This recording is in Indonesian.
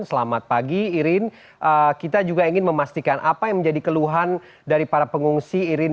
selamat pagi irin kita juga ingin memastikan apa yang menjadi keluhan dari para pengungsi irin